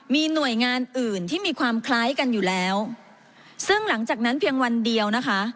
มีหน่วยงานอื่นที่มีความคล้ายกันอยู่แล้วซึ่งหลังจากนั้นเพียงวันเดียวนะคะ